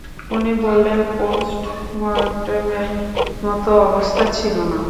উনি বললেন-পোস্টমর্টেমের মতো অবস্থা ছিল না।